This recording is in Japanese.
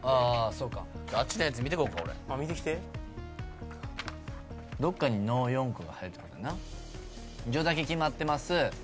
そうかあっちのやつ見てこようか俺見てきてどっかにノョンクが入るってことやなジョだけ決まってます